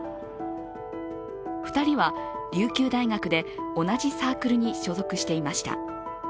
２人は琉球大学で同じサークルに所属していました。